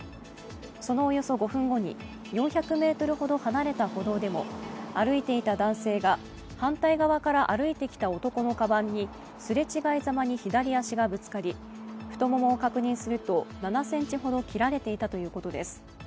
そのおよそ５分後に、４００ｍほど離れた歩道でも歩いていた男性が反対側から歩いてきた男のカバンに擦れ違いざまに左足がぶつかり太ももを確認する７ｃｍほど切られていたということです。